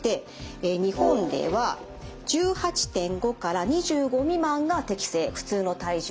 日本では１８．５２５未満が適正普通の体重で。